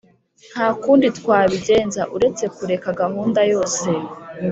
nta kundi twabigenza uretse kureka gahunda yose.